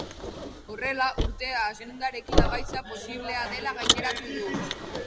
Horrela, urtea hazkundearekin amaitzea posible dela gaineratu du.